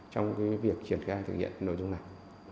trong việc triển khai thực hiện nội dung này